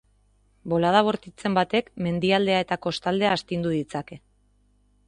Bolada bortitzen batek mendialdea eta kostaldea astindu ditzake.